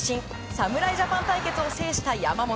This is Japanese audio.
侍ジャパン対決を制した山本。